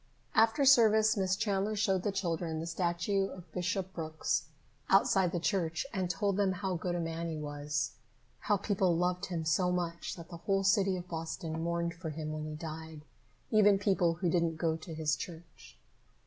After service, Miss Chandler showed the children the statue of Bishop Brooks outside the church and told them how good a man he was, and how people loved him so much that the whole city of Boston mourned for him when he died, even people who didn't go to his church.